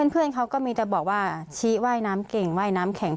เพื่อนเขาก็มีแต่บอกว่าชี้ว่ายน้ำเก่งว่ายน้ำแข็ง